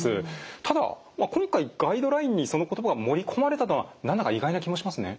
ただ今回ガイドラインにその言葉が盛り込まれたのは何だか意外な気もしますね。